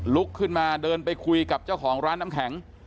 ลุกขึ้นมาเดินไปคุยกับเจ้าของร้านน้ำแข็ง